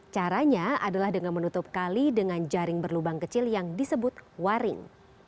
caranya adalah dengan menutup kali dengan jaring berlubang kecil yang disebut waring